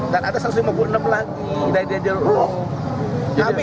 dan ada satu ratus lima puluh enam lagi